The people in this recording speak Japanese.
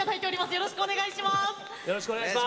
よろしくお願いします。